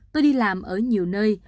tôi đi làm ở nhiều nơi